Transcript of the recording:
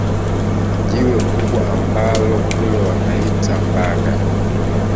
Jiwe kubwa ambalo kule wanaita Mbaga